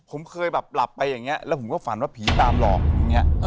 ผมเคยแบบหลับไปอย่างนี้แล้วผมก็ฝันว่าผีตามหลอกอย่างนี้